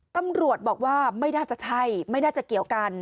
ตำรวจบอกว่าไม่น่าจะใช่ไม่น่าจะเกี่ยวกัน